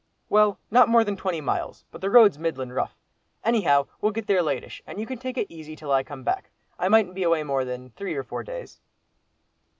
"Well, not more than twenty miles, but the road's middlin' rough. Anyhow we'll get there latish, and you can take it easy till I come back. I mightn't be away more than three or four days."